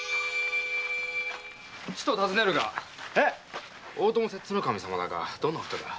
ちと尋ねるが大友摂津守様だがどんなお人だ？